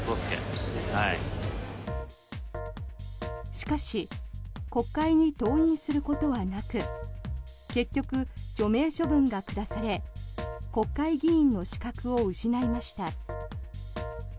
しかし国会に登院することはなく結局、除名処分が下され国会議員の資格を失いました。